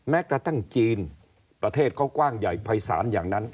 แม้กระทั่งจีนประเทศเขากว้างใหญ่ภายศาลอย่างนั้น